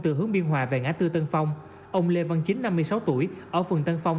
từ hướng biên hòa về ngã tư tân phong ông lê văn chính năm mươi sáu tuổi ở phường tân phong